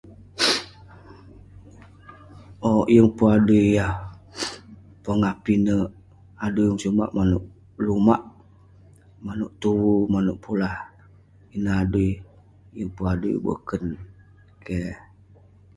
Owk, yeng pun adui yah pongah pinek. Adui sumak manouk lumak, manouk tuvu, manouk [unintelligible] Ineh adui, yeng pun adui boken. Keh.